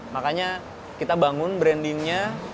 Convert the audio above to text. makanya kita bangun brandingnya